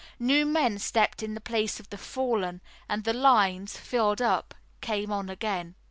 New men stepped in the place of the fallen, and the lines, filled up, came on again.